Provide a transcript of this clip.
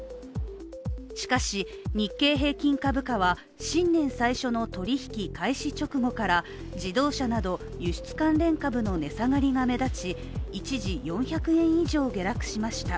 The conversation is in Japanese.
しかし、日経平均株価は新年最初の取引開始直後から自動車など輸出関連株の値下がりが目立ち一時４００円以上下落しました。